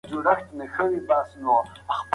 زه تاسره مینه لرم